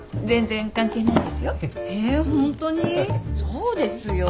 そうですよ。